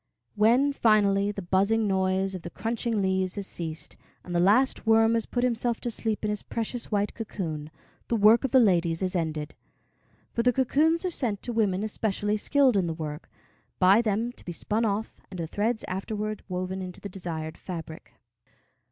When, finally, the buzzing noise of the crunching leaves has ceased, and the last worm has put himself to sleep in his precious white cocoon, the work of the ladies is ended; for the cocoons are sent to women especially skilled in the work, by them to be spun off, and the thread afterwards woven into the desired fabric.